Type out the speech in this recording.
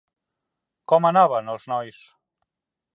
Com anaven els nois?